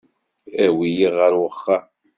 Awi-iyi ɣer uxxam.